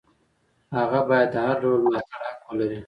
هغه باید د هر ډول ملاتړ حق ولري.